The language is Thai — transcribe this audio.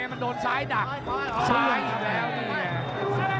มันโดนซ้ายดัก